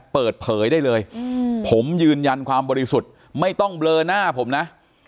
เปิดเผยได้เลยผมยืนยันความบริสุทธิ์ไม่ต้องเบลอหน้าผมนะ